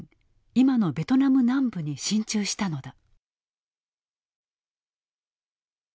今のベトナム南部に進駐したのだ。